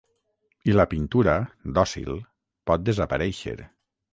I la pintura, dòcil, pot desaparèixer.